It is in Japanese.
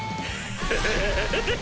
フハハハ！